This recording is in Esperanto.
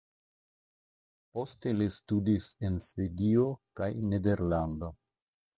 Poste li studis en Svedio kaj Nederlando.